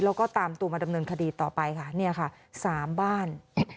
แล้วก็ตามตัวมาดำเนินคดีต่อไปค่ะเนี่ยค่ะ๓บ้าน